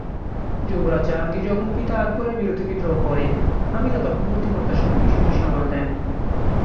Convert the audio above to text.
যুবরাজ জাহাঙ্গীর যখন পিতা আকবরের বিরুদ্ধে বিদ্রোহ করেন, হামিদা তখন বুদ্ধিমত্তার সাথে বিষয়টি সামাল দেন।